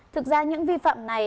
thực ra những vi phạm này